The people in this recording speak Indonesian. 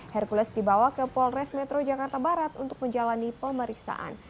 hercules dibawa ke polres metro jakarta barat untuk menjalani pemeriksaan